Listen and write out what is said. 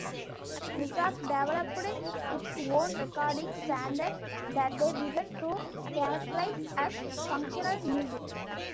Muzak developed its own recording standards that they began to characterize as "functional music".